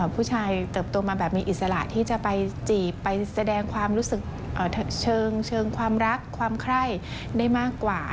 ผู้ชายเติบโตมาแบบมีอิสระที่จะไปจีบไปแสดงความรู้สึกเชิงความรักความไคร้ได้มากกว่า